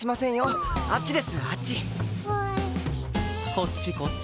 こっちこっち！